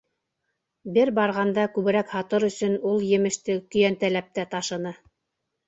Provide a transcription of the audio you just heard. Бер барғанда күберәк һатыр өсөн ул емеште көйәнтәләп тә ташыны.